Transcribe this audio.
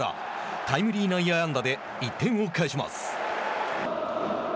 タイムリー内野安打で１点を返します。